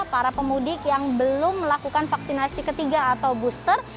para pemudik yang belum melakukan vaksinasi ketiga atau booster